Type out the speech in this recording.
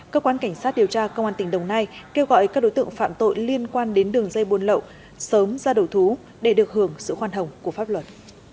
cơ quan cảnh sát điều tra công an tỉnh đồng nai kêu gọi các đối tượng phạm tội liên quan đến đường dây buôn lậu sớm ra đầu thú để được hưởng sự khoan hồng của pháp luật